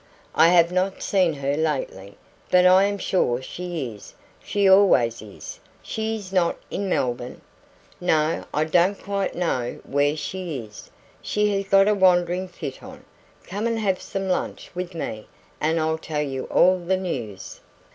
"I have not seen her lately, but I am sure she is, she always is." "She is not in Melbourne?" "No. I don't quite know where she is. She has got a wandering fit on. Come and have some lunch with me, and I'll tell you all the news."